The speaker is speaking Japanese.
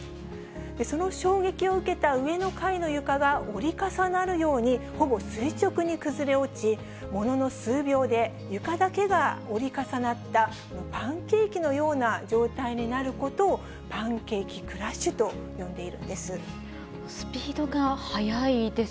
その衝撃を受けた上の階の床が折り重なるようにほぼ垂直に崩れ落ち、ものの数秒で、床だけが折り重なった、パンケーキのような状態になることを、パンケーキクラッシュと呼んでいるんです。